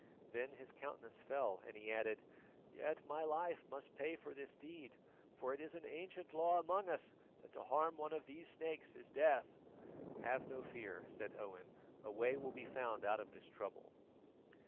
Then his countenance fell and he added: "Yet my life must pay for this deed, for it is an ancient law among us that to harm one of these snakes is death." "Have no fear," said Owen, "a way will be found out of this trouble."